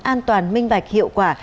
an toàn minh bạch hiệu quả